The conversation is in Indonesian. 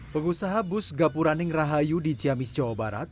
pengusaha bus gapuraning rahayu di ciamis jawa barat